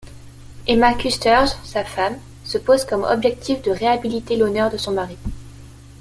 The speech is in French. Emma Küsters, sa femme, se pose comme objectif de réhabiliter l'honneur de son mari.